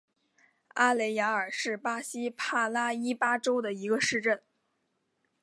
阿雷亚尔是巴西帕拉伊巴州的一个市镇。